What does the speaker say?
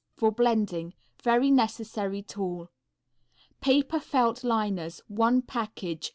For blending. Very necessary tool. Paper Felt Liners, one package.